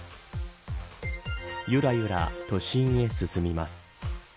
ゆらゆらと都心へ進みます。